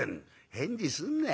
「返事すんな。